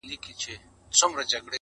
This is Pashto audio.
توپاني سوه ډوبېدو ته سوه تیاره٫